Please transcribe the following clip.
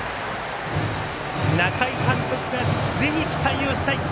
中井監督がぜひ期待をしたい。